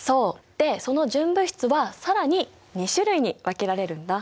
でその純物質は更に２種類に分けられるんだ。